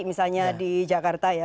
misalnya di jakarta ya